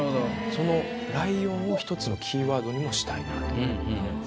そのライオンを一つのキーワードにもしたいなと。